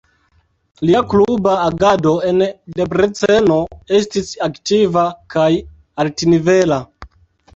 Lia kluba agado en Debreceno estis aktiva kaj altnivela.